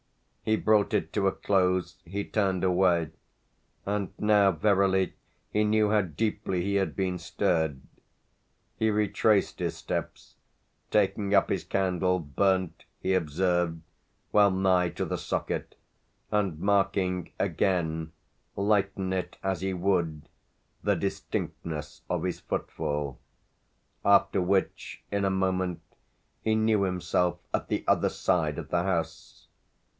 He brought it to a close, he turned away; and now verily he knew how deeply he had been stirred. He retraced his steps, taking up his candle, burnt, he observed, well nigh to the socket, and marking again, lighten it as he would, the distinctness of his footfall; after which, in a moment, he knew himself at the other side of the house.